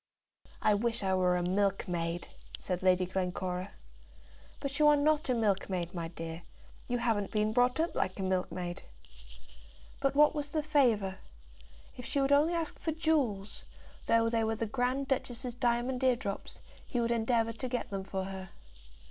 "I wish I were a milkmaid," said Lady Glencora. "But you are not a milkmaid, my dear. You haven't been brought up like a milkmaid." But what was the favour? If she would only ask for jewels, though they were the Grand Duchess's diamond eardrops, he would endeavour to get them for her.